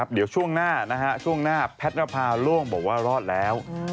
เดี๋ยวช่วงหน้าช่วงหน้าแพทย์นภาโล่งบอกว่ารอดแล้ว